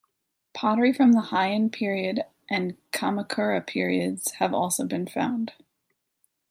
Pottery from the Heian period and Kamakura periods have also been found.